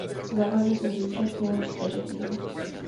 Závodu se zúčastnily čtyři týmy.